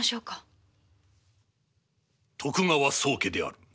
徳川宗家である。